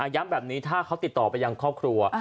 ย้ำแบบนี้ถ้าเขาติดต่อไปยังครอบครัว